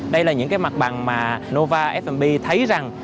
đây là những mặt bằng mà nova f b thấy rằng